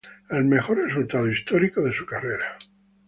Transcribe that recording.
El mejor resultado histórico de su carrera.